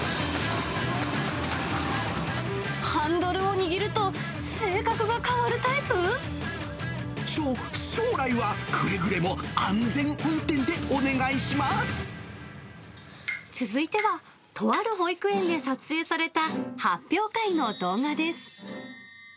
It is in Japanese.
ハンドルを握ると性格が変わしょ、将来は、くれぐれも安続いては、とある保育園で撮影された発表会の動画です。